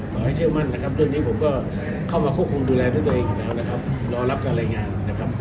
ขอให้เชื่อมั่นนะครับเรื่องนี้ผมก็เข้ามาควบคุมดูแลด้วยตัวเองอยู่แล้วนะครับรอรับการรายงานนะครับ